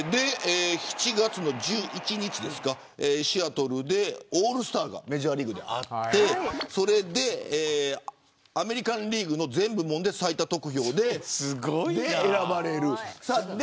７月の１１日、シアトルでオールスターがメジャーリーグであってアメリカン・リーグの全部門で最多得票で選ばれる。